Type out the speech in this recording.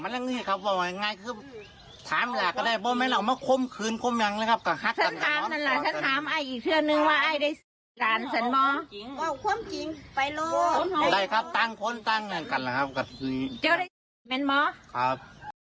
ลุยเหมือนกันด้วยครับ